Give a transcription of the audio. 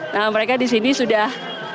nah mereka di sini sudah